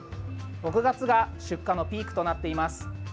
６月が出荷のピークとなっています。